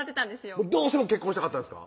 どうしても結婚したかったんですか？